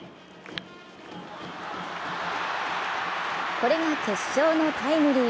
これが決勝のタイムリー。